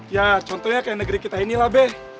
ya contohnya kayak negeri kita ini lah be